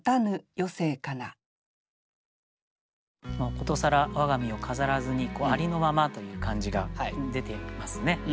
殊更我が身を飾らずにありのままという感じが出ていますね。